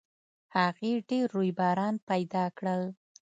هغې ډېر رویباران پیدا کړل